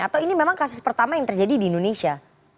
atau ini memang kasus pertama yang terjadi di indonesia